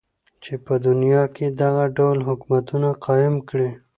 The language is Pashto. چی په دنیا کی دغه ډول حکومت قایم کړی.